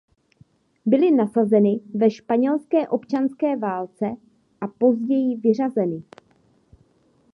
Byly nasazeny ve španělské občanské válce a později vyřazeny.